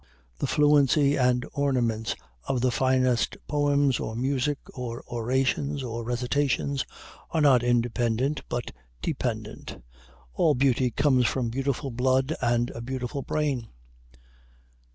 The fluency and ornaments of the finest poems or music or orations or recitations, are not independent but dependent. All beauty comes from beautiful blood and a beautiful brain.